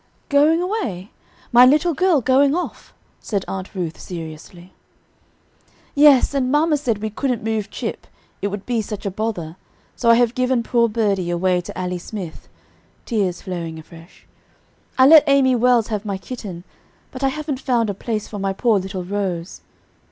"Going away, my little girl going off?" said Aunt Ruth seriously. "Yes; and mamma said we couldn't move Chip, it would be such a bother, so I have given poor birdie away to Allie Smith;" tears flowing afresh. "I let Amy Wells have my kitten, but I haven't found a place for my poor little rose.